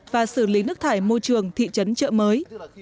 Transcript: và xử lý nước thải môi trường thị trấn trợ mới